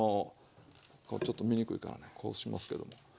ちょっと見にくいからこうしますけども。